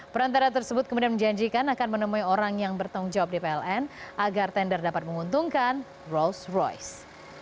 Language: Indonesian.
perantara tersebut kemudian menjanjikan akan menemui orang yang bertanggung jawab di pln agar tender dapat menguntungkan rolls royce